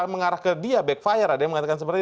mengarah ke dia backfire